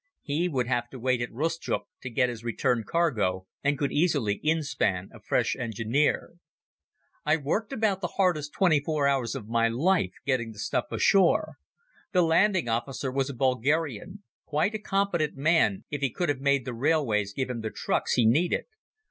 He would have to wait at Rustchuk to get his return cargo, and could easily inspan a fresh engineer. I worked about the hardest twenty four hours of my life getting the stuff ashore. The landing officer was a Bulgarian, quite a competent man if he could have made the railways give him the trucks he needed.